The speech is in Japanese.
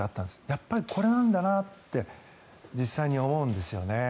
やっぱりこれなんだなって実際に思うんですよね。